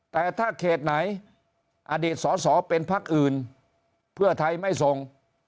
แต่ถ้าเขตไหนอดีตสอสอเป็นพักอื่นเพื่อไทยไม่ส่ง